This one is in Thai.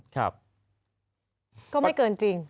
ครับก็ไม่เกินจริง